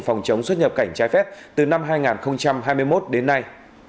phòng chống xuất nhập cảnh trái phép từ năm hai nghìn hai mươi một đến nay